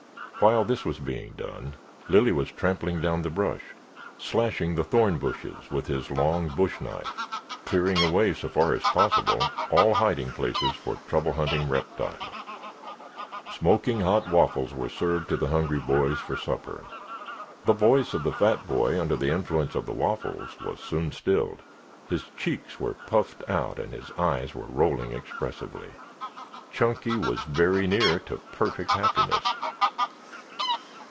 While this was being done, Lilly was trampling down the brush, slashing the thorn bushes with his long bush knife, clearing away, so far as possible, all hiding places for trouble hunting reptiles. Smoking hot waffles were served to the hungry boys for supper. The voice of the fat boy under the influence of the waffles soon was stilled, his cheeks were puffed out and his eyes were rolling expressively. Chunky was very near to perfect happiness.